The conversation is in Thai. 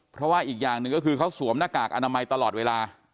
เพราะว่าอีกอย่างหนึ่งก็คือเขาสวมหน้ากากอนามัยตลอดเวลา